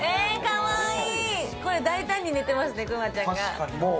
大胆に寝てますね、くまちゃんが。